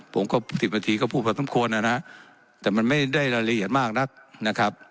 ผมก็๑๐นาทีก็พูดพอสมควรแต่มันไม่ได้รายละเอียดมาก